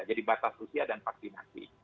jadi batas usia dan vaksinasi